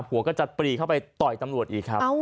ก็จะปรีเข้าไปต่อยตำรวจอีกครับ